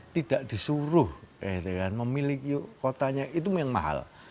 tidak disuruh memiliki kotanya itu yang mahal